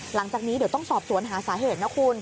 หลังจากนี้เดี๋ยวต้องสอบสวนหาสาเหตุนะคุณ